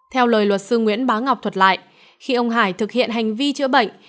theo lời luật sư nguyễn bá ngọc thuật lại khi ông hải thực hiện hành vi chữa bệnh